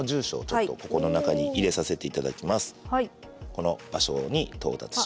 この場所に到達します。